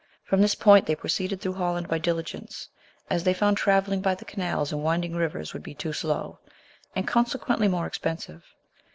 From this point they proceeded through Holland by diligence, as they found travelling by the canals and winding rivers would be too slow, and consequently more expensive.